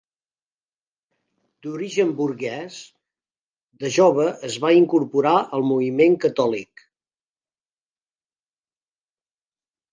D'origen burgès, de jove es va incorporar al moviment catòlic.